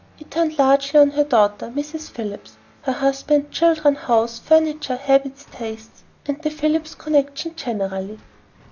It turned largely on her daughter, Mrs. Phillips, her husband, children, house, furniture, habits, tastes, and the Phillips connection generally.